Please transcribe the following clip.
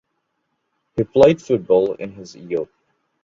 He played football in his youth.